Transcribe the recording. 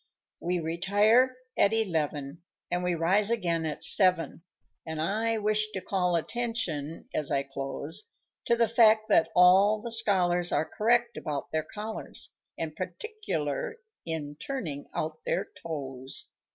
_ _We retire at eleven, And we rise again at seven; And I wish to call attention, as I close, To the fact that all the scholars Are correct about their collars, And particular in turning out their toes.